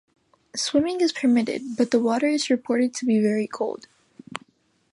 Swimming is permitted, but the water is reported to be very cold.